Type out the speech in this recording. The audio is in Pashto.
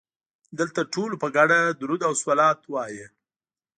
دلته ټولو په ګډه درود او صلوات وایه.